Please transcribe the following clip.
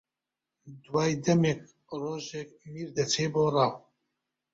دوای دەمێک ڕۆژێک میر دەچێ بۆ ڕاو